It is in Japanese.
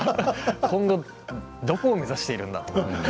今後はどこを目指しているんだと。